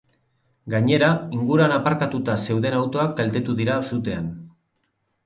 Gainera, inguruan aparkatuta zeuden autoak kaltetu dira sutean.